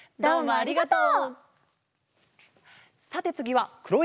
ありがとう。